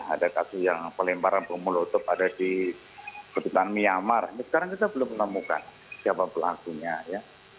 ada kasus yang pelemparan pemulutup ada di kedutaan myanmar ini sekarang kita belum menemukan siapa pelakunya ya